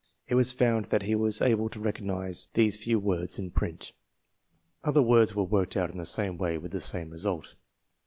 It was found that he was able to recognize these few words in print. Other words were worked out in the same way with the same result.